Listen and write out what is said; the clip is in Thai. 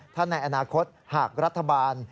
ถ้าในอนาคตหากรัฐบาล